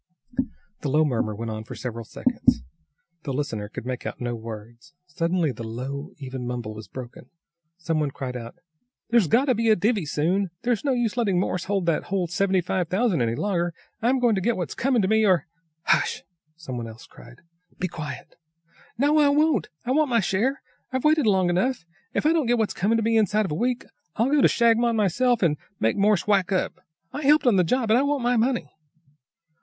The low murmur went on for several seconds. The listener could make out no words. Suddenly the low, even mumble was broken. Some one cried out "There's got to be a divvy soon. There's no use letting Morse hold that whole seventy five thousand any longer. I'm going to get what's coming to me, or " "Hush!" some one else cried. "Be quiet!" "No, I won't! I want my share. I've waited long enough. If I don't get what's coming to me inside of a week, I'll go to Shagmon myself and make Morse whack up. I helped on the job, and I want my money!"